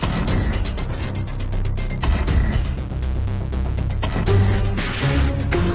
จะไปไหมจะไปของล๊อคให้ดู